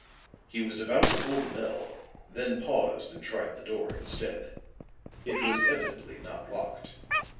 He was about to pull the bell, then paused and tried the door instead. It was evidently not locked.